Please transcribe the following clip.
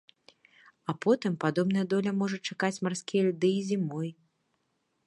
А потым падобная доля можа чакаць марскія льды і зімой.